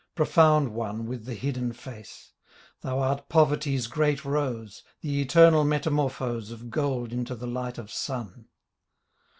Profound One with the hidden face; TTiou art Poverty's great rose, The eternal metamorphose Of gold into the light of sun.